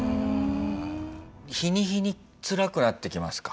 日に日につらくなってきますか？